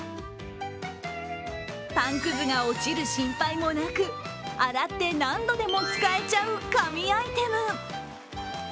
パンくずが落ちる心配もなく洗って何度でも使えちゃう神アイテム。